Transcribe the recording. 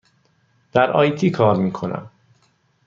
در آی تی کار می کنم.